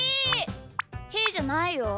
ひーじゃないよ。